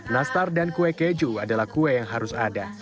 nastar dan kue keju adalah kue yang harus ada